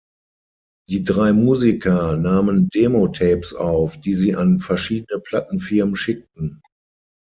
Die drei Musiker nahmen Demo-Tapes auf, die sie an verschiedene Plattenfirmen schickten.